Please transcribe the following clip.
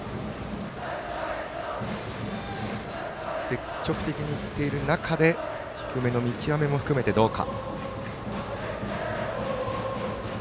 積極的にいっている中で低めの見極めも含めて、どうか。